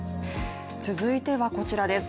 続いてはこちらです。